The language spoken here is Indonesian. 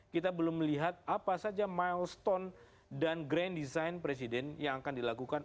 kita belum melihat apa saja milestone dan grand design presiden yang akan dilakukan